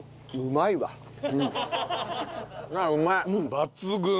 抜群。